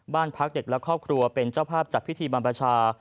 บ้านพักเด็กและครอบครัวเป็นเจ้าภาพจัดพิธีบรรพชา